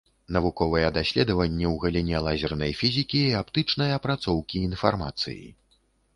Навуковыя даследаванні ў галіне лазернай фізікі і аптычнай апрацоўкі інфармацыі.